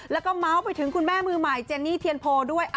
แล้วก็เมาส์ไปถึงคุณแม่มือใหม่เจนี่เทียนโพด้วย